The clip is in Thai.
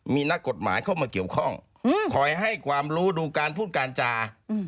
มีนักกฎหมายเข้ามาเกี่ยวข้องคอยให้ความรู้ดูการพูดการจา